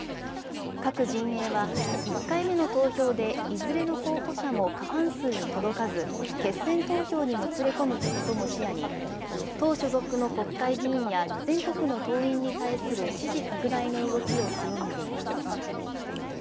各陣営は、１回目の投票でいずれの候補者も過半数に届かず、決選投票にもつれ込むことも視野に、党所属の国会議員や全国の党員に対する支持拡大の動きを強めています。